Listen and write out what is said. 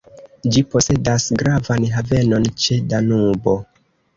Ĝi posedas gravan havenon ĉe Danubo.